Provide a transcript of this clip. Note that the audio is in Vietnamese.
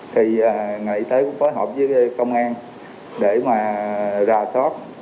thì ngành y tế cũng phối hợp với công an để mà ra soát